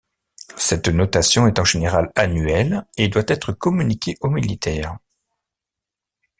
Cette notation est en général annuelle et doit être communiquée au militaire.